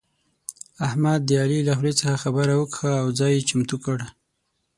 احمد د علي له خولې څخه خبره وکښه او ځای يې چمتو کړ.